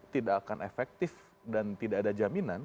tidak akan efektif dan tidak ada jaminan